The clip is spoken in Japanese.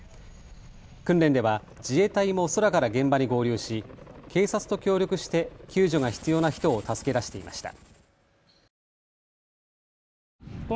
訓練では自衛隊も空から現場に合流し警察と協力して救助が必要な人を助け出していました。